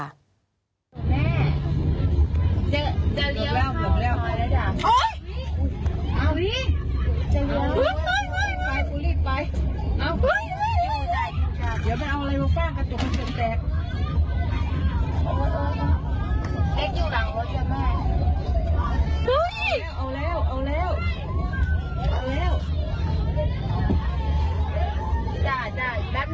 เอ๊ะเอาแล้วเอาแล้วเอาแล้ว